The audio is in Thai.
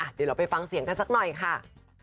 เดี๋ยวเราไปฟังเสียงกันสักหน่อยค่ะ